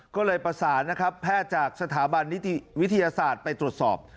ก็เลยประสานนะครับแพทย์จากสถาบันนิติวิทยาศาสตร์ไปตรวจสอบ